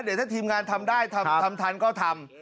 เดี๋ยวถ้าทีมงานทำได้ทำทันก็ทำ